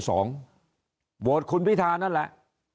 โหวตคุณพิธานั่นแหละ